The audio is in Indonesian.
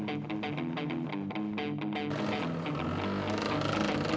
sampai jumpa di video selanjutnya